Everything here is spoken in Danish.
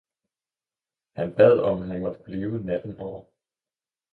Han bad om han måtte blive natten over.